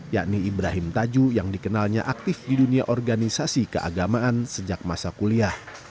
yakni ibrahim tajuh yang dikenalnya aktif di dunia organisasi keagamaan sejak masa kuliah